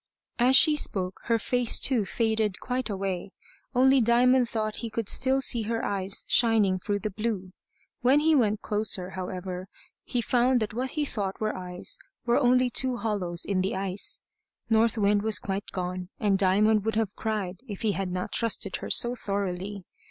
As she spoke, her face too faded quite away, only Diamond thought he could still see her eyes shining through the blue. When he went closer, however, he found that what he thought her eyes were only two hollows in the ice. North Wind was quite gone; and Diamond would have cried, if he had not trusted her so thoroughly.